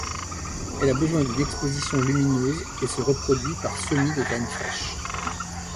Elle a besoin d'une exposition lumineuse et se reproduit par semis de graines fraiches.